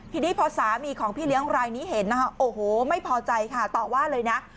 ทีนี้พอสามีของพี่เลี้ยงรายนี้เห็นนะคะโอ้โหไม่พอใจค่ะต่อว่าเลยนะ